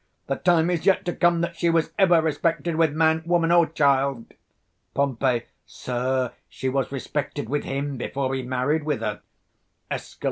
the time is yet to come that she was ever respected with man, woman, or child. 160 Pom. Sir, she was respected with him before he married with her. _Escal.